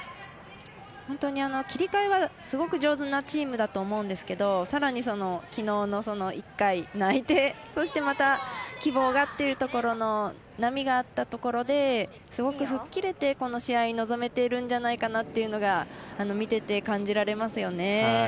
本当に切り替えはすごく上手なチームだと思うんですけどさらにきのうの、その一回泣いてそして、また希望がっていうところの波があったところですごく吹っ切れて、この試合に臨めているんじゃないかというところが見てて感じられますよね。